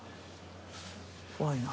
怖いな。